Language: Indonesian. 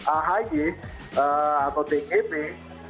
sebagai orang yang berada di dalam jenis perusahaan